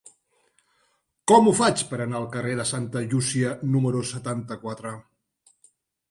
Com ho faig per anar al carrer de Santa Llúcia número setanta-quatre?